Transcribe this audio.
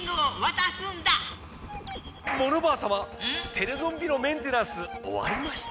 テレゾンビのメンテナンスおわりました。